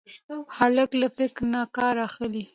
هلک له فکر نه کار اخلي.